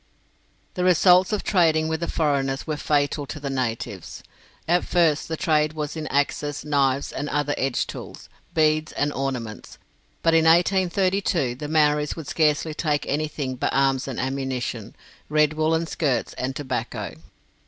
The results of trading with the foreigners were fatal to the natives. At first the trade was in axes, knives, and other edge tools, beads, and ornaments, but in 1832 the Maoris would scarcely take anything but arms and ammunition, red woollen shirts, and tobacco.